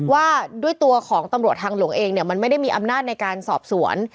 ว่าด้วยตัวของตำรวจทางหลวงเองเนี่ยมันไม่ได้มีอำนาจในการสอบสวน